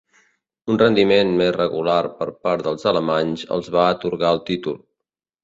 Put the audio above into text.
Un rendiment més regular per part dels alemanys els va atorgar el títol.